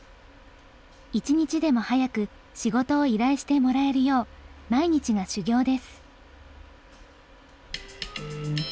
一日でも早く仕事を依頼してもらえるよう毎日が修業です。